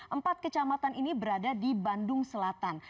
empat kecamatan ini berada di bandung selatan